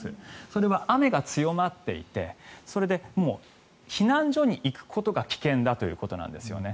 それは雨が強まっていてそれで避難所に行くことが危険だということなんですね。